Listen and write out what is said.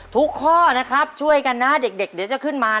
ข้อนะครับช่วยกันนะเด็กเดี๋ยวจะขึ้นมา